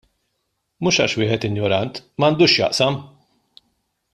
Mhux għax wieħed injorant; m'għandux x'jaqsam!